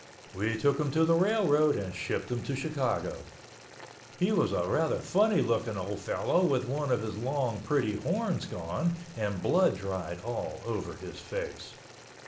We took him to the railroad and shipped him to Chicago. He was a rather funny looking old fellow with one of his long pretty horns gone and blood dried all over his face.